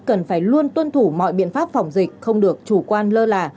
cần phải luôn tuân thủ mọi biện pháp phòng dịch không được chủ quan lơ là